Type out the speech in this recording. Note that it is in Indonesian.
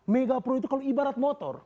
mega pro itu kalau ibarat motor